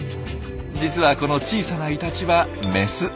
実はこの小さなイタチはメス。